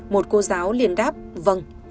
một cô giáo liền đáp vâng